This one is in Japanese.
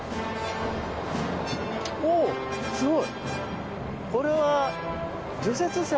おお、すごい。